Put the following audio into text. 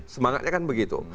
semangatnya kan begitu